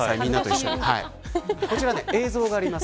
こちら映像があります。